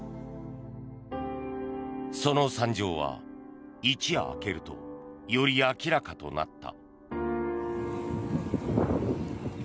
その惨状は一夜明けるとより明らかとなった。